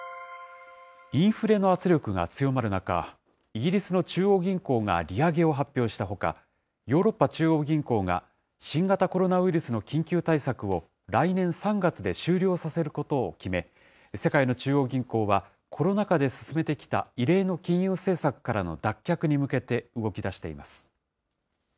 インフレの圧力が強まる中、イギリスの中央銀行が利上げを発表したほか、ヨーロッパ中央銀行が新型コロナウイルスの緊急対策を来年３月で終了させることを決め、世界の中央銀行はコロナ禍で進めてきた異例の金融政策からの脱却に向けて動きだしています。